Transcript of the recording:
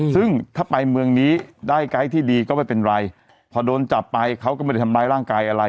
ซึ่งถ้าไปเมืองนี้ได้ไกด์ที่ดีก็ไม่เป็นไรพอโดนจับไปเขาก็ไม่ได้ทำร้ายร่างกายอะไร